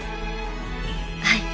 はい。